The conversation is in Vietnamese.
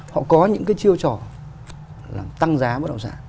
họ có những cái chiêu trò làm tăng giá bất động sản